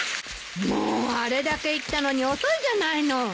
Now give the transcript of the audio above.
もうあれだけ言ったのに遅いじゃないの。